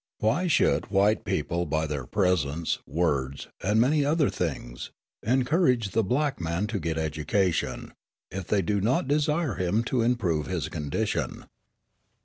Why should white people, by their presence, words, and many other things, encourage the black man to get education, if they do not desire him to improve his condition?